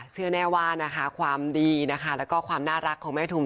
เชื่อแน่ว่าความดีและความน่ารักของแม่ทุม